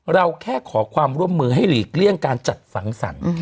เราแค่ขอความร่วมมือให้หลีกเลี่ยงการจัดสังสรรค์